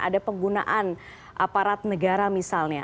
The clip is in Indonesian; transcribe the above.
ada penggunaan aparat negara misalnya